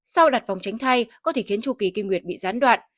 sau đặt vòng tránh thai có thể khiến chu kỳ kinh nguyệt bị gián đoạn